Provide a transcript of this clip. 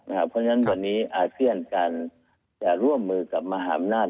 เพราะฉะนั้นวันนี้อาเซียนการจะร่วมมือกับมหาอำนาจ